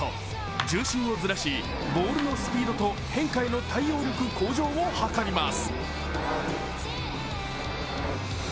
重心をずらし、ボールのスピードと変化への対応力向上を図ります。